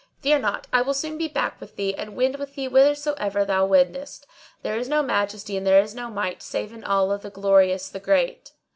Fear not, I will soon be back with thee and wend with thee whithersoever thou wendest. There is no Majesty and there is no Might save in Allah, the Glorious, the Great!"